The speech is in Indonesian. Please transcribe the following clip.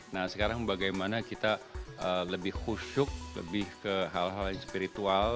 nah sekarang bagaimana kita lebih khusyuk lebih ke hal hal yang spiritual